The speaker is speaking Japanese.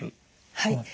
はい。